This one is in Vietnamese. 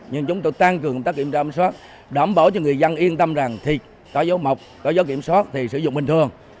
nhưng chúng tôi tăng cường công tác kiểm tra đảm bảo cho người dân yên tâm rằng thịt có dấu mọc có dấu kiểm soát thì sử dụng bình thường